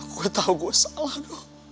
gue tau gue salah dodo